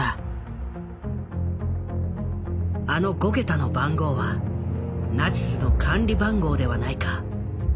あの５桁の番号はナチスの管理番号ではないか？